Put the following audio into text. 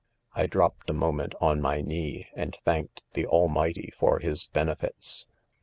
I dropped a moment, on my knee 3 and thanked the Almighty for his benefits.